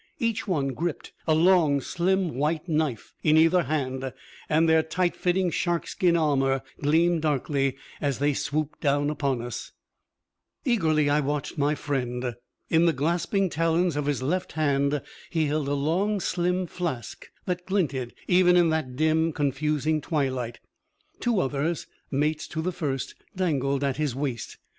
Each one gripped a long, slim white knife in either hand, and their tight fitting shark skin armor gleamed darkly as they swooped down upon us. Eagerly I watched my friend. In the clasping talons of his left hand he held a long, slim flask that glinted even in that dim, confusing twilight. Two others, mates to the first, dangled at his waist.